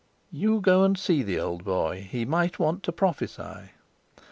"You go and see the old boy. He might want to prophesy."